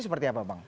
seperti apa bang